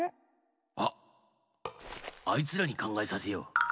あっあいつらにかんがえさせよう！